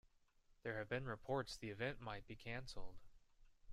There have been reports the event might be canceled.